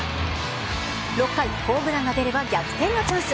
６回、ホームランが出れば逆転のチャンス。